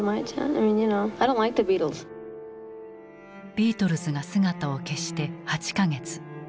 ビートルズが姿を消して８か月。